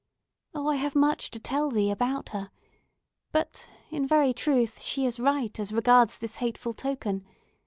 "Oh, I have much to tell thee about her! But, in very truth, she is right as regards this hateful token.